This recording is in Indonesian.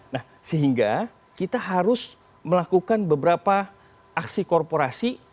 nah sehingga kita harus melakukan beberapa aksi korporasi